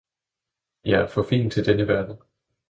Jeg er for fin for denne verden!